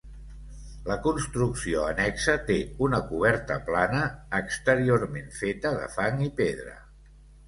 La construcció annexa té una coberta plana, exteriorment feta de fang i pedra.